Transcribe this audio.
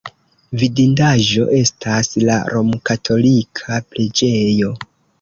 Vidindaĵo estas la romkatolika preĝejo.